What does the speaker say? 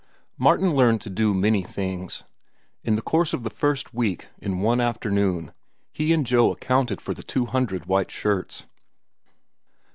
Martin learned to do many things. In the course of the first week, in one afternoon, he and Joe accounted for the two hundred white shirts.